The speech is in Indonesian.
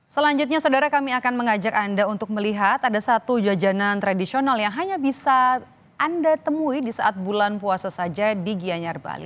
selanjutnya saudara kami akan mengajak anda untuk melihat ada satu jajanan tradisional yang hanya bisa anda temui di saat bulan puasa saja di gianyar bali